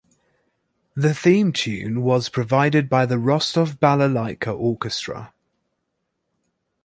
The theme tune was provided by the Rostov Balalaika orchestra.